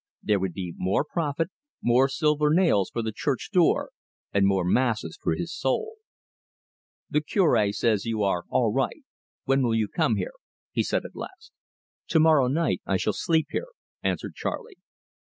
There would be more profit, more silver nails for the church door, and more masses for his soul. "The Cure says you are all right.... When will you come here?" he said at last. "To morrow night I shall sleep here," answered Charley.